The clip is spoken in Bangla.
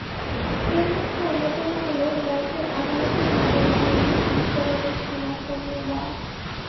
এর মধ্যে অন্যতম হলো ব্যাংকের আমানতের বিপরীতে ঋণ বিতরণের সীমা কমিয়ে দেওয়া।